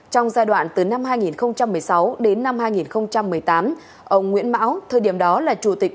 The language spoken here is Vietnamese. trong giai đoạn từ năm hai nghìn một mươi sáu đến năm hai nghìn một mươi tám ông nguyễn mão thời điểm đó là chủ tịch